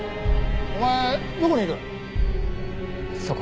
お前どこにいる？